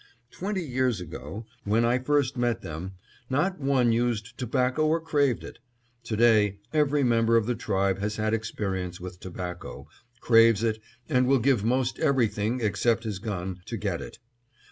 Twenty years ago, when I first met them, not one used tobacco or craved it. To day every member of the tribe has had experience with tobacco, craves it, and will give most everything, except his gun, to get it.